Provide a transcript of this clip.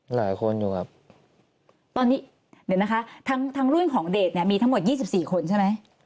หลายคนอยู่ครับตอนนี้เดี๋ยวนะคะทั้งรุ่นของเดชเนี่ยมีทั้งหมด๒๔คนใช่ไหม